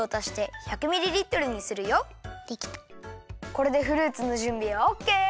これでフルーツのじゅんびはオッケー！